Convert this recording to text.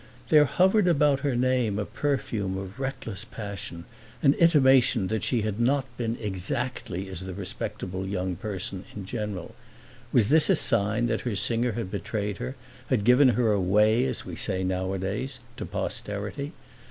There hovered about her name a perfume of reckless passion, an intimation that she had not been exactly as the respectable young person in general. Was this a sign that her singer had betrayed her, had given her away, as we say nowadays, to posterity?